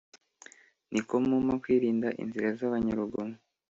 Ni ko kumpa kwirinda inzira z’abanyarugomo